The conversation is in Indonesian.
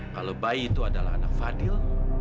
kalau bayi itu adalah anak fadil